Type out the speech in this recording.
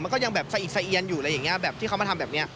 มันก็ยังสะอีกอยู่ที่เขามาทำแบบนี้